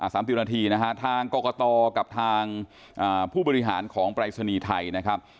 สามสิบนาทีนะฮะทางกรกตกับทางอ่าผู้บริหารของปรายศนีย์ไทยนะครับ